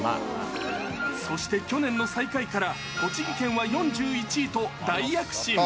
そして去年の最下位から、栃木県は４１位と、大躍進。